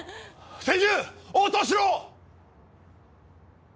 千住応答しろ！